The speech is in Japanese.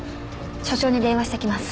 署長に電話してきます。